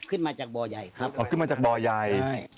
ขึ้นมาจากบ่อยายครับใช่ครับอ๋อขึ้นมาจากบ่อยาย